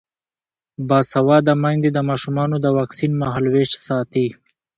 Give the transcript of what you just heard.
باسواده میندې د ماشومانو د واکسین مهالویش ساتي.